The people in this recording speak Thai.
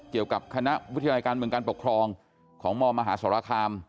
เกี่ยวกับคณะวิทยาลัยการภพพรองของมมหาสรคาม